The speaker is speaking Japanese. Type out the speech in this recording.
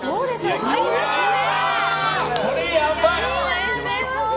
これやば！